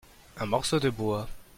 Un morceau de bois.